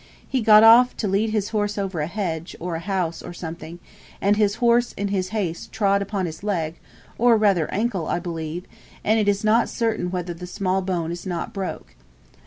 He got off to lead his horse over a hedge, or a house, or something, and his horse in his haste trod upon his leg, or rather ancle, I believe, and it is not certain whether the small bone is not broke.